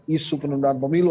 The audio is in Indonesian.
isu penundaan pemilu